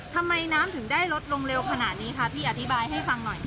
ทำไมน้ำถึงได้ลดลงเร็วขนาดนี้คะพี่อธิบายให้ฟังหน่อย